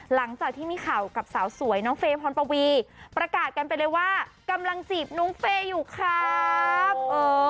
หลังจากที่มีข่าวกับสาวสวยน้องเฟย์พรปวีประกาศกันไปเลยว่ากำลังจีบน้องเฟย์อยู่ครับ